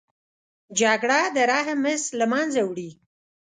جګړه د رحم حس له منځه وړي